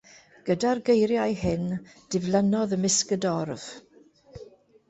Gyda'r geiriau hyn, diflannodd ymysg y dorf.